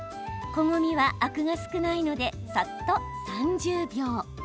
こごみはアクが少ないのでさっと３０秒。